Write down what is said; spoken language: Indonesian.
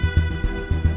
baik pak bos